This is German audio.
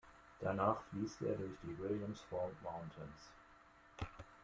Danach fließt er durch die Williams Fork Mountains.